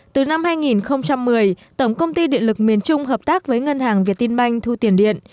từ năm hai nghìn một mươi tổng công ty điện lực miền trung hợp tác với ngân hàng việt tin banh thu tiền điện